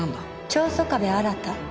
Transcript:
長曾我部新